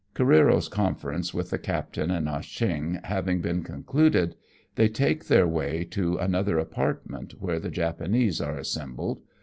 Careero's conference with the captain and Ah Cheong having been concluded, they take their way to another apartment, wherein the Japanese are assem bled.